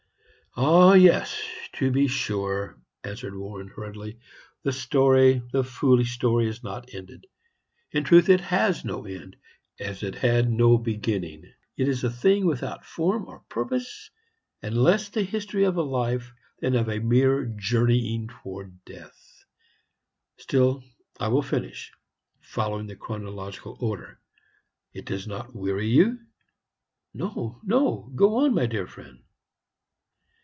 "Ah, yes, to be sure," answered Warren, hurriedly; "the story the foolish story is not ended. In truth it has no end, as it had no beginning; it is a thing without form or purpose, and less the history of a life than of a mere journeying towards death. Still I will finish following chronological order. It does not weary you?" "No, no; go on, my dear friend."